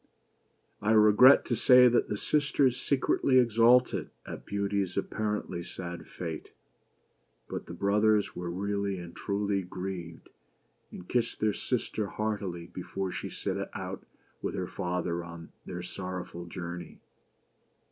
I regret to say that the sisters secretly exulted at Beauty's apparently sad fate; but the brothers were really and truly grieved, and kissed their sister heartily before she set out with her father on their sorrowful journey.